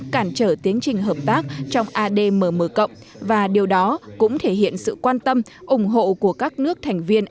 cản trở tiến trình hợp tác trong admm và điều đó cũng thể hiện sự quan tâm ủng hộ của các nước thành viên